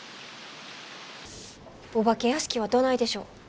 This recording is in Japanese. お化け屋敷はどないでしょう？